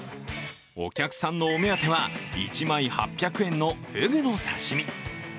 お客さんのお目当ては１枚８００円のふぐの刺身。